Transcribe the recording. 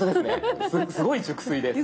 すごい熟睡です。